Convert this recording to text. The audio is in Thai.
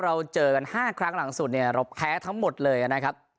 เราเจอกัน๕ครั้งหลังสุดเนี่ยเราแพ้ทั้งหมดเลยนะครับ